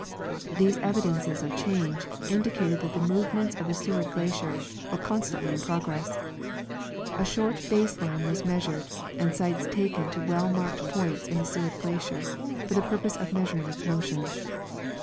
These evidences of change in^licated that movements in the Seward glacier were constantly in [trogress. A short has'e line was nu^asured and sights taken to well marked points in the Seward glacier for the purpose of measuring its motion.